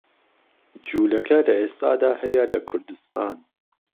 جولەکە لە ئێستادا هەیە لە کوردستان.